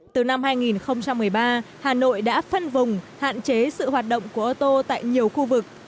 từ năm hai nghìn một mươi ba hà nội đã phân vùng hạn chế sự hoạt động của ô tô tại nhiều khu vực